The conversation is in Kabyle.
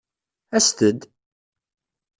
Aset-d!